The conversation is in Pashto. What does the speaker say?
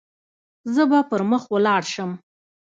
زه به پر مخ ولاړ شم.